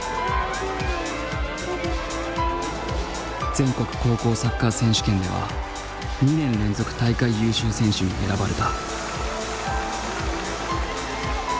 全国高校サッカー選手権では２年連続大会優秀選手に選ばれた。